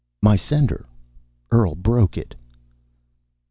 "My sender. Earl broke it."